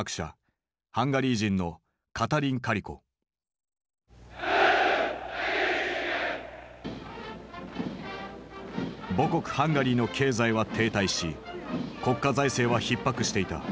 ハンガリー人の母国ハンガリーの経済は停滞し国家財政はひっ迫していた。